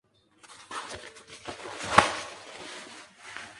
El abad, harto del ciclo del pecado, decidió contarle al alcalde los horrores.